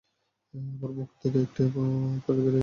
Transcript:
আমার মুখ থেকে একটি পাখি বেরিয়ে উড়ে গেছে।